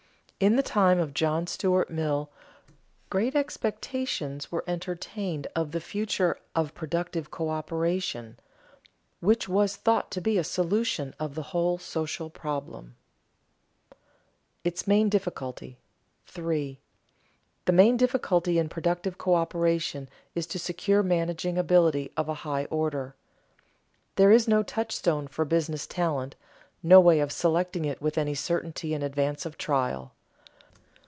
In the time of John Stuart Mill, great expectations were entertained of the future of productive coöperation, which was thought to be a solution of the whole social problem. [Sidenote: Its main difficulty] 3. The main difficulty in productive coöperation is to secure managing ability of a high order. There is no touchstone for business talent, no way of selecting it with any certainty in advance of trial.